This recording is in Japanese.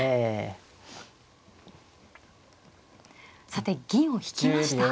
さて銀を引きました。